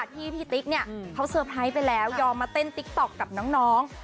ที่พี่ติ๊กเนี่ยเขาเซอร์ไพรส์ไปแล้วยอมมาเต้นติ๊กต๊อกกับน้อง